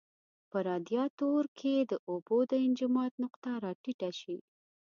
په رادیاتور کې د اوبو د انجماد نقطه را ټیټه شي.